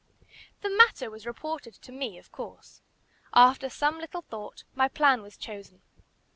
The matter was reported to me of course. After some little thought, my plan was chosen.